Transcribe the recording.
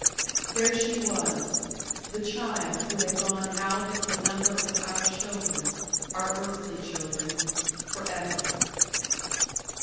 There she was, the child who had gone out of the number of our children our earthly children for ever.